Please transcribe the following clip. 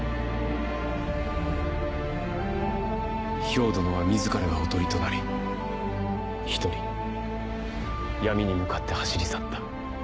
漂殿は自らが囮となり１人闇に向かって走り去った。